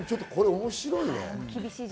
面白いね。